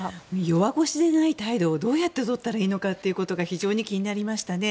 弱腰でない態度をどうやってとったらいいのかが非常に気になりましたね。